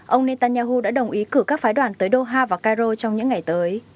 ông netanyahu đã đồng ý cử các phái đoàn tới doha và cairo trong những ngày tới